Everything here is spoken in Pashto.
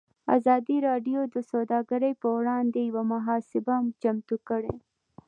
ازادي راډیو د سوداګري پر وړاندې یوه مباحثه چمتو کړې.